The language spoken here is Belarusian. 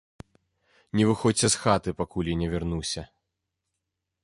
Не выходзьце з хаты, пакуль я не вярнуся.